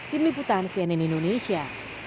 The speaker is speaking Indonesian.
tim liputan cnn indonesia